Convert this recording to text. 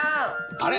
あれ？